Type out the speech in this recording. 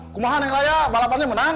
kumahan neng raya balapannya menang